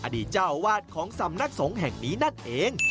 อดีตเจ้าวาดของสำนักสงฆ์แห่งนี้นั่นเอง